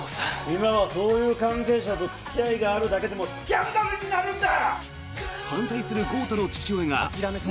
今はそういう関係者と付き合いがあるだけでもスキャンダルになるんだ！